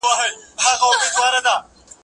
زه به پاکوالي ساتلي وي؟!